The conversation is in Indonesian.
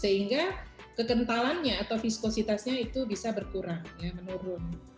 sehingga kekentalannya atau viskositasnya itu bisa berkurang menurun